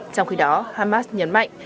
trong khi đó hamas nhấn mạnh